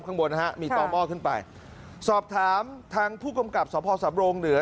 ข้างบนนะฮะมีต่อหม้อขึ้นไปสอบถามทางผู้กำกับสภสำโรงเหนือ